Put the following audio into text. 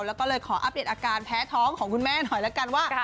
แล้วก็เลยขออัปเดตอาการแพ้ท้องของคุณแม่หน่อยละกันว่า